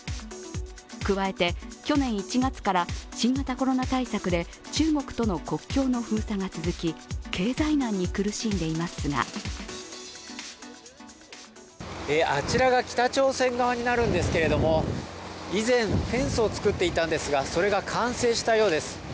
加えて、去年１月から新型コロナ対策で中国との国境の封鎖が続き、経済難に苦しんでいますがあちらが北朝鮮側になるんですけども以前、フェンスを作っていたんですが、それが完成したようです。